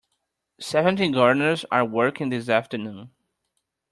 Seventeen gardeners are working this afternoon.